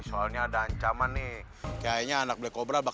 soalnya ada ancaman nih